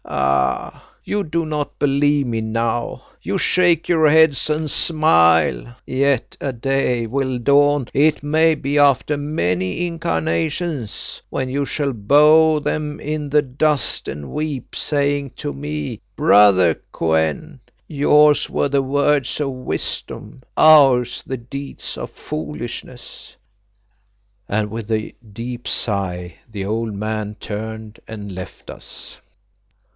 Ah! you do not believe me now; you shake your heads and smile; yet a day will dawn, it may be after many incarnations, when you shall bow them in the dust and weep, saying to me, 'Brother Kou en, yours were the words of wisdom, ours the deeds of foolishness;'" and with a deep sigh the old man turned and left us.